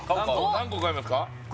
何個買いますか？